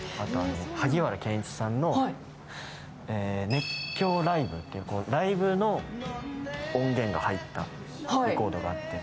萩原健一さんの「熱狂雷舞」というライブの音源が入ったレコードがあって。